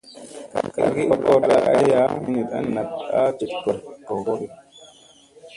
Gargi u korda aya hiniɗ a naɗ jeɗ googodi.